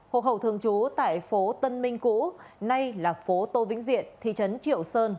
hộ khẩu thường trú tại phố tân minh cũ nay là phố tô vĩnh diện thị trấn triệu sơn